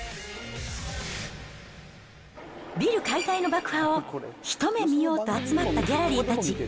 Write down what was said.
ビル解体の爆破を一目見ようと集まったギャラリーたち。